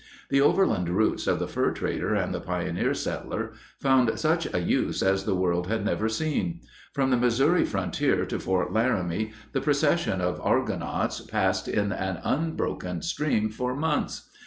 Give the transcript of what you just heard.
The overland routes of the fur trader and the pioneer settler found such a use as the world had never seen. From the Missouri frontier to Fort Laramie the procession of Argonauts passed in an unbroken stream for months.